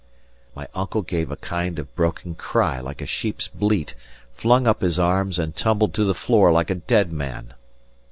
My uncle gave a kind of broken cry like a sheep's bleat, flung up his arms, and tumbled to the floor like a dead man.